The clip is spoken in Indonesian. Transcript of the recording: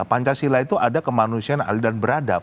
pancasila itu ada kemanusiaan adil dan beradab